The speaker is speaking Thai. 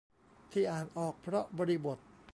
ที่อ่านออกเพราะบริบท